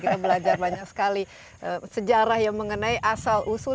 kita belajar banyak sekali sejarah yang mengenai asal usul